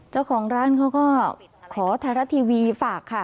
เจ้าของร้านเขาก็ขอไทยรัฐทีวีฝากค่ะ